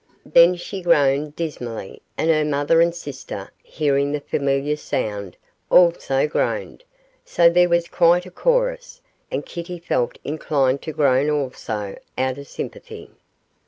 Then she groaned dismally, and her mother and sister, hearing the familiar sound, also groaned, so there was quite a chorus, and Kitty felt inclined to groan also, out of sympathy.